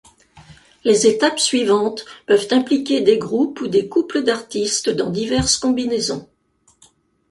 Les étapes suivantes peuvent impliquer des groupes ou des couples d'artistes dans diverses combinaisons.